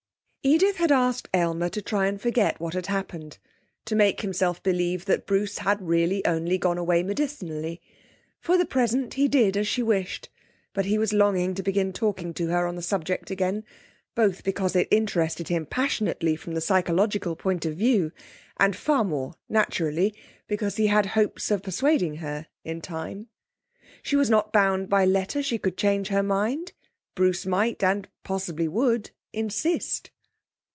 Edith had asked Aylmer to try and forget what had happened to make himself believe that Bruce had really only gone away medicinally. For the present, he did as she wished, but he was longing to begin talking to her on the subject again, both because it interested him passionately from the psychological point of view, and far more, naturally, because he had hopes of persuading her in time. She was not bound by letter; she could change her mind. Bruce might and possibly would, insist.